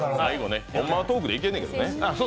ホンマはトークでいけんねんやけどね。